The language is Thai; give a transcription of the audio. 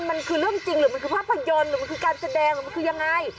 มันคือเรื่องจริงหรือมันคือภาพยนตร์หรือมันคือการแสดงมันคือยังไง